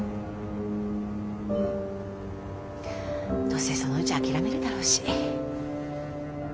どうせそのうち諦めるだろうし。